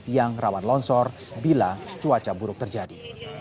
yang rawan longsor bila cuaca buruk terjadi